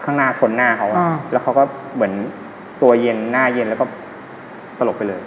ข้างหน้าชนหน้าเขาแล้วเขาก็เหมือนตัวเย็นหน้าเย็นแล้วก็สลบไปเลย